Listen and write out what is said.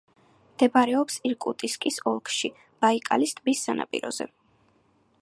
მდებარეობს ირკუტსკის ოლქში, ბაიკალის ტბის სანაპიროზე.